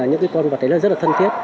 những cái con vật ấy rất là thân thiết